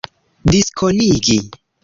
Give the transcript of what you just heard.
diskonigi